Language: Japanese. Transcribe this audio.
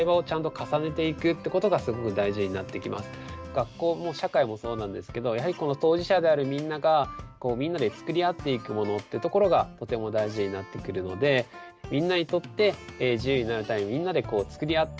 学校も社会もそうなんですけどやはり当事者であるみんながみんなで作り合っていくものってところがとても大事になってくるのでみんなにとって自由になるためにみんなで作り合っていく。